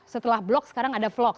setelah blok sekarang ada vlog